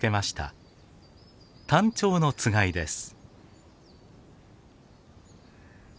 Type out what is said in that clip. タンチョウのつがいです。